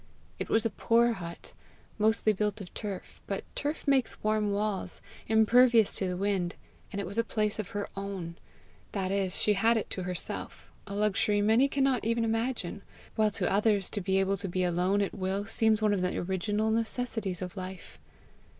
It was a poor hut, mostly built of turf; but turf makes warm walls, impervious to the wind, and it was a place of her own! that is, she had it to herself, a luxury many cannot even imagine, while to others to be able to be alone at will seems one of the original necessities of life.